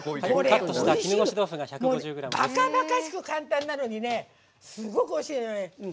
ばかばかしく簡単なのにすごくおいしいの。